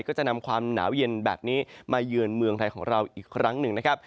ก็จะนำความหนาวเย็นแบบนี้มาเยือนเมืองไทยของเราอีกครั้งหนึ่งนะครับ